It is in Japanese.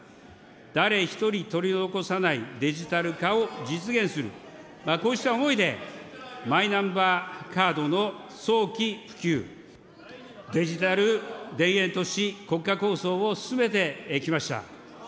誰一人取り残さないデジタル化を実現する、こうした思いでマイナンバーカードの早期普及、デジタル田園都市国家構想を進めてきました。